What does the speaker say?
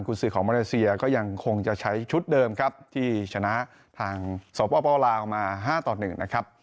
คุณศึกของมาเลเซียก็ยังคงจะใช้ชุดเดิมครับที่ชนะทางสวบป้อเป้าลาออกมาห้าต่อหนึ่งนะครับ